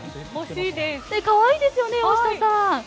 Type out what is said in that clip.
可愛いですよね大下さん。